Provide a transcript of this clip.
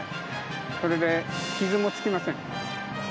それで傷もつきません。